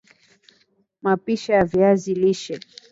mapishi ya viazi lishe